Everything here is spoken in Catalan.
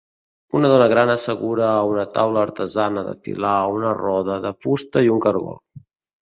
Una dona gran assegura a una taula artesana de filar a una roda de fusta i un cargol.